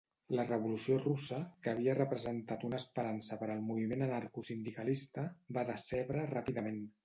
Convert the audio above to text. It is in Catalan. La revolució russa, que havia representat una esperança per al moviment anarcosindicalista, va decebre ràpidament.